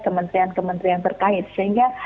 kementerian kementerian terkait sehingga